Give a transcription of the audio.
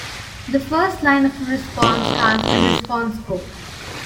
The first line of a response has a "response code".